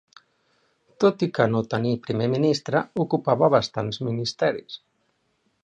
Tot i que no tenir Primer Ministre, ocupava bastants ministeris.